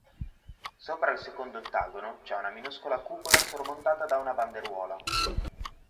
Sopra il secondo ottagono c'è una minuscola cupola sormontata da una banderuola.